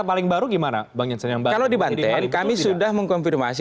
kalau di banten kami sudah mengkonfirmasi